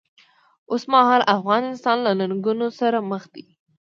اوسمهالی افغان انسان له ننګونو سره مخ دی.